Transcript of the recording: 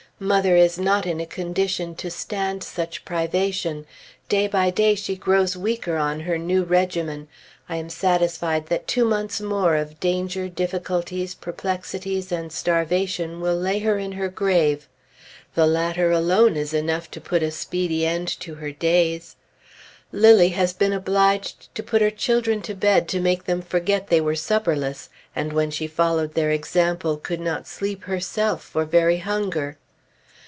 Mother is not in a condition to stand such privation; day by day she grows weaker on her new regimen; I am satisfied that two months more of danger, difficulties, perplexities, and starvation will lay her in her grave. The latter alone is enough to put a speedy end to her days. Lilly has been obliged to put her children to bed to make them forget they were supperless, and when she followed their example, could not sleep herself, for very hunger.